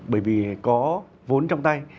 bởi vì có vốn trong tay